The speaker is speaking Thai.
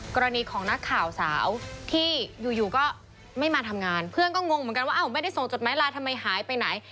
กรณีของนักข่าวสาวที่อยู่ก็ไม่มาทำงานเพื่อนก็งงเหมือนกันว่าอ้าวไม่ได้ส่งจดหมายลาทำไมหายไปไหน